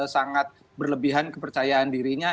sangat berlebihan kepercayaan dirinya